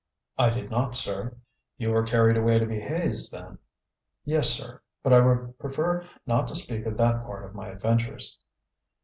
"I did not, sir." "You were carried away to be hazed, then?" "Yes, sir; but I would prefer not to speak of that part of my adventures."